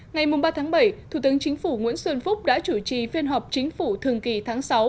ngày ba bảy thủ tướng chính phủ nguyễn xuân phúc đã chủ trì phiên họp chính phủ thường kỳ tháng sáu